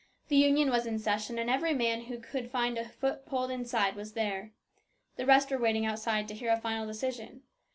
The Union was in session, and every man who could find a foothold inside was there. The rest were waiting outside to hear a final decision.